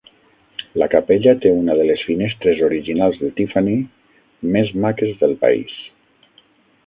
La capella té una de les finestres originals de Tiffany més maques del país.